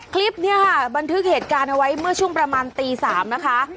คลิปนี้ค่ะบันทึกเหตุการณ์เอาไว้เมื่อช่วงประมาณตี๓นะคะ